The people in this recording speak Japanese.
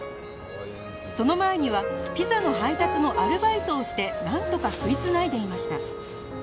その前にはピザの配達のアルバイトをしてなんとか食い繋いでいました